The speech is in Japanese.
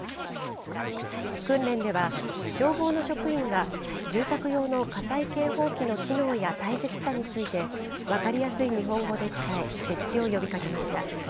訓練では、消防の職員が住宅用の火災警報器の機能や大切さについて、分かりやすい日本語で伝え、設置を呼びかけました。